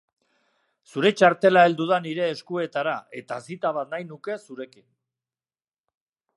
Zure txartela heldu da nire eskuetara eta zita bat nahi nuke zurekin.